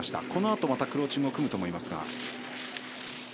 このあとまたクラウチングを組むと思いますが。